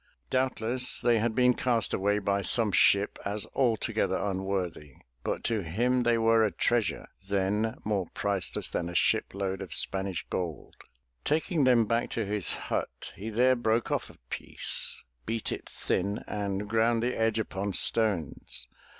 Doubtless they had been cast away by some ship as altogether unworthy, but to him they were a treasure then more priceless than a shipload of Spanish gold. Taking them back to his hut, he there broke off a piece, beat it thin, and ground the edge upon stones.